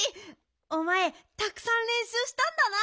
おまえたくさんれんしゅうしたんだな。